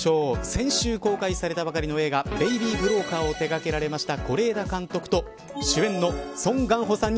先週、公開されたばかりの映画ベイビー・ブローカーを手掛けられました